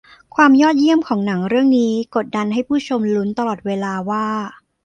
ความยอดเยี่ยมของหนังเรื่องนี้กดดันให้ผู้ชมลุ้นตลอดเวลาว่า